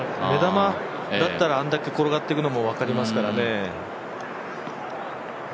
目玉だったら、あれだけ転がっていくのも分かりますからね。